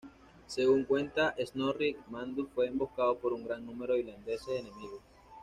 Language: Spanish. Según cuenta Snorri, Magnus fue emboscado por un gran número de irlandeses enemigos.